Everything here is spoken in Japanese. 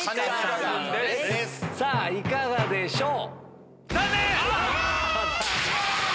さぁいかがでしょう？